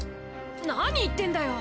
何言ってんだよ？